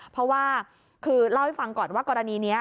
เพราะว่าคือเล่าให้ฟังก่อนว่ากรณีนี้